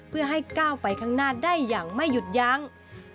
เพื่อให้ก้าวไปข้างหน้าได้อย่างไม่หยุดยั้ง